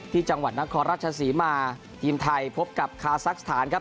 จังหวัดนครราชศรีมาทีมไทยพบกับคาซักสถานครับ